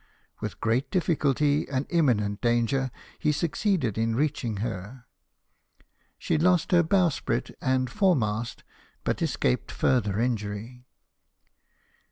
With great difficulty and imminent danger he succeeded in reaching her. She lost her bowsprit and foremast, but escaped further injury.